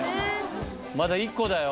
まだ１個だよ。